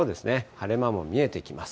晴れ間も見えてきます。